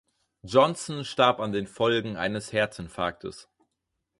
Jonsson starb an den Folgen eines Herzinfarktes.